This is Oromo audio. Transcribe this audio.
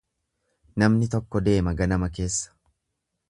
Namni tokko deema ganama keessa.